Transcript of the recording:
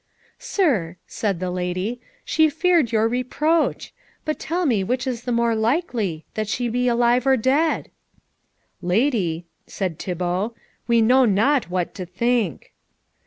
"Sir," said the lady, "she feared your reproach. But tell me which is the more likely, that she be alive or dead?" "Lady," said Thibault, "we know not what to think."